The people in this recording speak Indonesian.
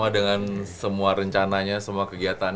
haben bener in hz dari uncertain